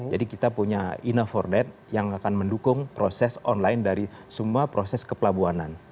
jadi kita punya in a for net yang akan mendukung proses online dari semua proses kepelabuhanan